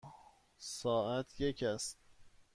ساعت یک است.